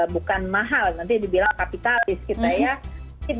bukan mahal nanti dibilang kapitalis gitu ya